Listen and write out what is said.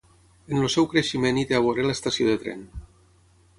En el seu creixement hi té a veure l'estació de tren